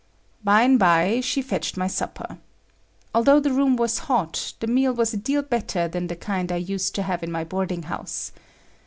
By'm by, she fetched my supper. Although the room was hot, the meal was a deal better than the kind I used to have in my boarding house.